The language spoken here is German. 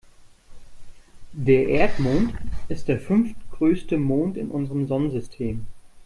Der Erdmond ist der fünftgrößte Mond in unserem Sonnensystem.